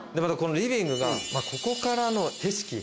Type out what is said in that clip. このリビングがここからの景色。